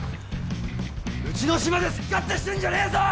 うちのシマで好き勝手してんじゃねえぞ！